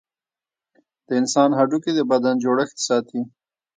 د انسان هډوکي د بدن جوړښت ساتي.